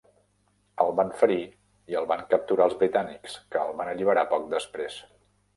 El van ferir i el van capturar els britànics, que el van alliberar poc després.